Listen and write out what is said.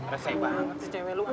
reset banget sih cewek lu mbah